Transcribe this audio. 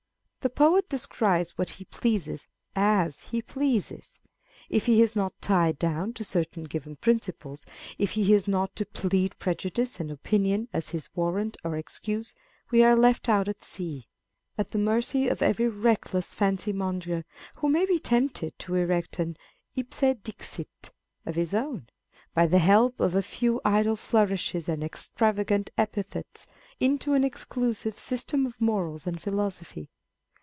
The poet describes what he pleases as he pleases â€" if he is not tied down to certain given principles, if he is not to plead prejudice and opinion as his warrant or excuse, we are left out at sea, at the mercy of every reckless fancy monger who may be tempted to erect an ipse dixit of his own, by the help of a few idle flourishes and extravagant epithets, into an exclusive system of morals and philosophy.